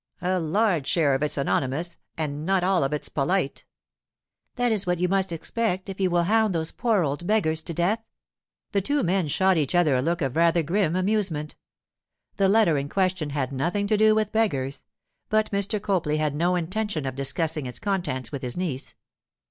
'A large share of it's anonymous, and not all of it's polite.' 'That is what you must expect if you will hound those poor old beggars to death.' The two men shot each other a look of rather grim amusement. The letter in question had nothing to do with beggars, but Mr. Copley had no intention of discussing its contents with his niece.